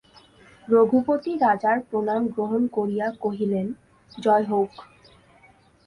রঘুপতি রাজার প্রণাম গ্রহণ করিয়া কহিলেন, জয় হউক।